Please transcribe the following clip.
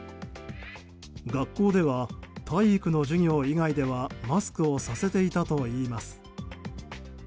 学校では体育の授業以外ではマスクをさせていたといいます。